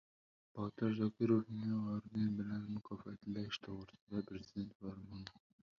Botir Zokirovni orden bilan mukofotlash to‘g‘risida prezident farmoni